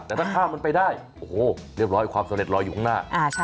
แต่ถ้าข้ามมันไปได้โอ้โหเรียบร้อยความสำเร็จรออยู่ข้างหน้า